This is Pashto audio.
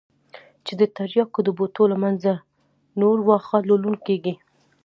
چې د ترياکو د بوټو له منځه نور واښه للون کېږي.